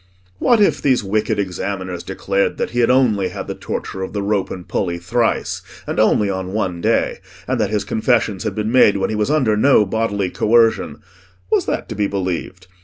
What if these wicked examiners declared that he had only had the torture of the rope and pulley thrice, and only on one day, and that his confessions had been made when he was under no bodily coercion—was that to be believed?